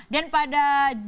dan pada dua ribu tujuh belas